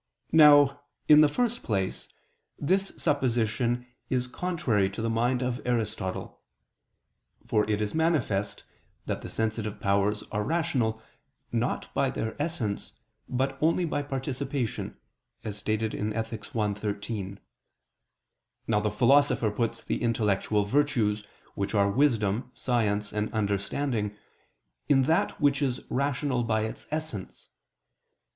Now, in the first place, this supposition is contrary to the mind of Aristotle. For it is manifest that the sensitive powers are rational, not by their essence, but only by participation (Ethic. i, 13). Now the Philosopher puts the intellectual virtues, which are wisdom, science and understanding, in that which is rational by its essence.